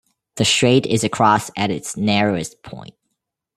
The strait is across at its narrowest point.